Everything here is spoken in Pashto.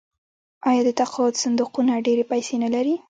آیا د تقاعد صندوقونه ډیرې پیسې نلري؟